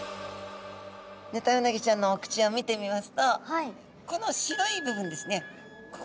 ヌタウナギちゃんのお口を見てみますとこの白い部分ですね。